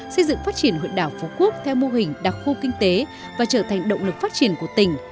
xây dựng phát triển huyện đảo phú quốc theo mô hình đặc khu kinh tế và trở thành động lực phát triển của tỉnh